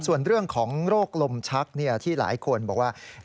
ส่วนเรื่องของโรคลมชักที่หลายคนบอกว่า